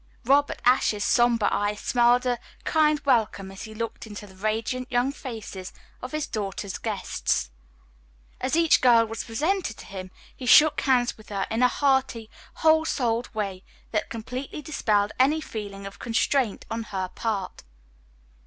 Robert Ashe's sombre eyes smiled a kindly welcome as he looked into the radiant young faces of his daughter's guests. As each girl was presented to him he shook hands with her in a hearty, whole souled way that completely dispelled any feeling of constraint on her part.